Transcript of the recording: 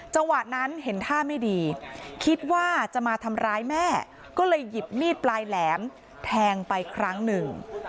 จังหวะนั้นเห็นท่าไม่ดีคิดว่าจะมาทำร้ายแม่ก็เลยหยิบมีดปลายแหลมแทงไปครั้งหนึ่ง